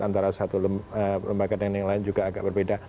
antara satu lembaga dan yang lain juga agak berbeda